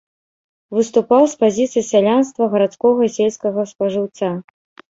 Выступаў з пазіцый сялянства, гарадскога і сельскага спажыўца.